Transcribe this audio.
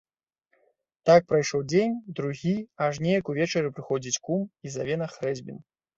Так прайшоў дзень, другі, аж неяк увечары прыходзіць кум і заве на хрэсьбіны.